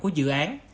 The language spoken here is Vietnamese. của dự án